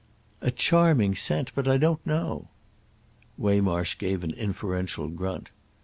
"A charming scent. But I don't know." Waymarsh gave an inferential grunt.